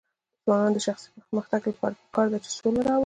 د ځوانانو د شخصي پرمختګ لپاره پکار ده چې سوله راوړي.